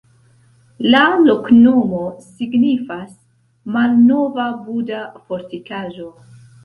La loknomo signifas: malnova-Buda-fortikaĵo.